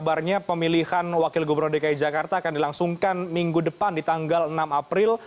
kabarnya pemilihan wakil gubernur dki jakarta akan dilangsungkan minggu depan di tanggal enam april